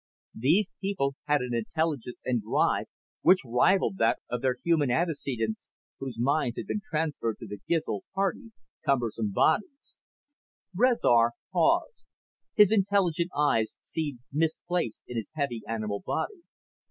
These people had an intelligence and drive which rivaled that of their human antecedents, whose minds had been transferred to the Gizl's hardy, cumbersome bodies. Rezar paused. His intelligent eyes seemed misplaced in his heavy animal body.